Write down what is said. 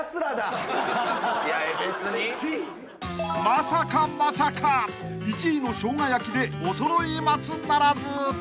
［まさかまさか１位のしょうが焼でおそろい松ならず］